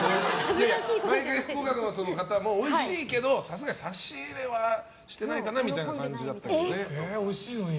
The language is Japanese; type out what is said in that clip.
毎回、福岡の方もおいしいけどさすがに差し入れはしてないかなみたいな感じでしたね。